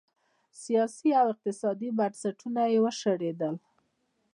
سیاسي او اقتصادي بنسټونه یې وشړېدل.